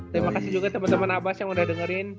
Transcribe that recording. terima kasih juga temen temen abas yang udah dengerin